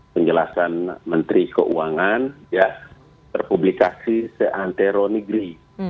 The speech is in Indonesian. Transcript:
penjelasan menteri keuangan ya terpublikasi seantero negeri